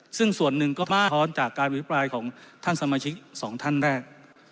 ซึ่งส่วนหนึ่งก็สะท้อนจากการวิปรายของท่านสมาชิกสองท่านแรก